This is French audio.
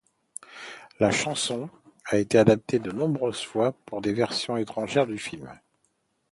La chanson a été adaptée de nombreuses fois pour les versions étrangères du film.